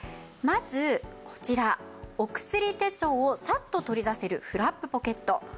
まずこちらお薬手帳をサッと取り出せるフラップポケット。